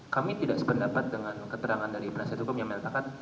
kami tidak sependapat dengan keterangan dari penasihat hukum yang menyatakan